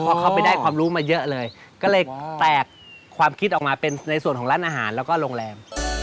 เพราะเขาไปได้ความรู้มาเยอะเลยก็เลยแตกความคิดออกมาเป็นในส่วนของร้านอาหารแล้วก็โรงแรม